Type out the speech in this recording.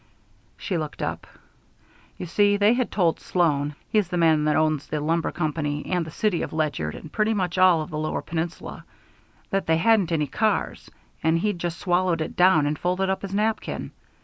She looked up. "You see, they had told Sloan he's the man that owns the lumber company and the city of Ledyard and pretty much all of the Lower Peninsula that they hadn't any cars; and he'd just swallowed it down and folded up his napkin.